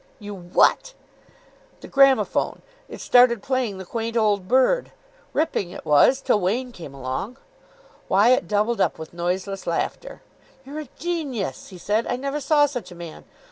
"You what?" "The gramophone. It started playing 'The Quaint Old Bird.' Ripping it was, till Wain came along." Wyatt doubled up with noiseless laughter. "You're a genius," he said. "I never saw such a man.